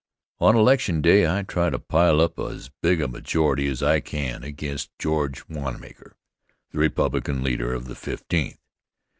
On election day I try to pile up as big a majority as I can against George Wanmaker, the Republican leader of the Fifteenth.